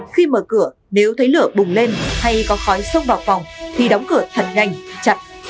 khi mở cửa nếu thấy lửa bùng lên hay có khói xông vào phòng thì đóng cửa thật nhanh chặt